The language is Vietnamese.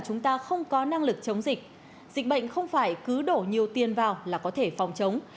chúng ta không có năng lực chống dịch dịch bệnh không phải cứ đổ nhiều tiền vào là có thể phòng chống